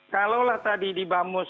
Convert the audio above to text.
kalau lah tadi di bamus